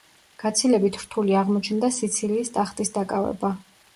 გაცილებით რთული აღმოჩნდა სიცილიის ტახტის დაკავება.